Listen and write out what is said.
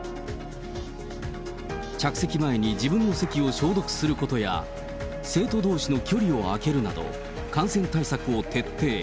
着席前に自分の席を消毒することや、生徒どうしの距離を空けるなど、感染対策を徹底。